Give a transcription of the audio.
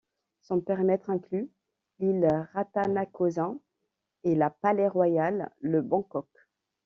Son périmètre inclut l'île Rattanakosin et la palais royal de Bangkok.